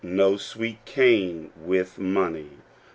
no sweet cane with money."